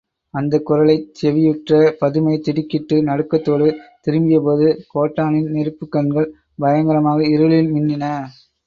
அந்தக் குரலைச் செவியுற்ற பதுமை திடுக்கிட்டு நடுக்கத்தோடு திரும்பியபோது கோட்டானின் நெருப்புக் கண்கள் பயங்கரமாக இருளில் மின்னின.